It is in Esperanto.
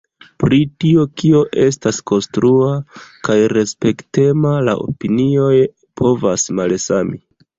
Pri tio kio estas konstrua kaj respektema la opinioj povas malsami.